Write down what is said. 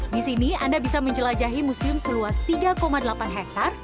di sini anda bisa menjelajahi museum seluas tiga delapan hektare